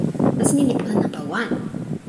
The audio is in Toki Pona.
nasin ni li pona nanpa wan.